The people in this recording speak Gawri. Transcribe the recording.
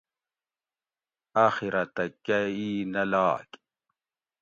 اَخرتہ کہ اِی نہ لاگ